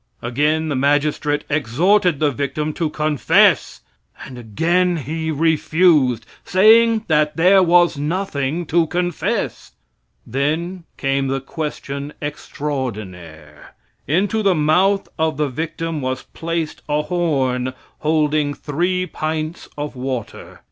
Again the magistrate exhorted the victim to confess, and again he refused, saying that there was nothing to confess. Then came the question extraordinaire. Into the mouth of the victim was placed a horn holding three pints of water.